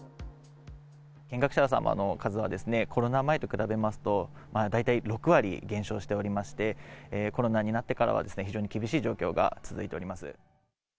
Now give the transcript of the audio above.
見学者さんの数はコロナ前と比べますと、大体６割減少しておりまして、コロナになってからは非常に厳しい状況が続いております。